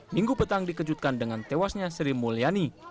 minggu petang dikejutkan dengan tewasnya sri mulyani